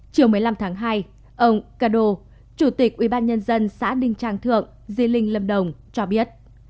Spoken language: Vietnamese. chiều một mươi năm tháng hai ông kado chủ tịch ubnd xã đinh trang thượng di linh lâm đồng cho biết